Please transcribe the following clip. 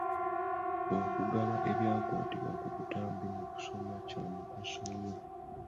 Okugaba ebyakwatibwa ku butambi mu kusoma kya mugaso nnyo.